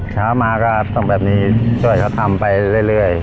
เช้ามาก็ต้องแบบนี้ช่วยเขาทำไปเรื่อย